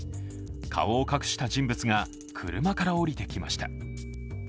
顔を隠した人物が車から降りてきました。